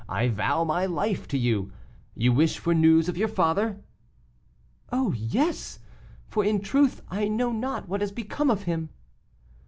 I vow my life to you. You wish for news of your father?" "Oh, yes! for, in truth, I know not what has become of him."